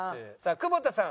久保田さん！